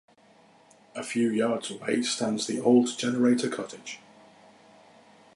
A few yards away stands the Old Generator Cottage.